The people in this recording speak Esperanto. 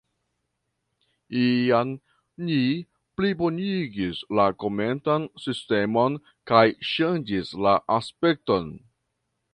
Iam ni plibonigis la komentan sistemon kaj ŝanĝis la aspekton.